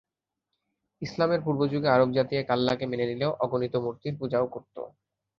ইসলামের পূর্বযুগে আরব জাতি এক আল্লাহকে মেনে নিলেও অগণিত মূর্তির পূজাও করত।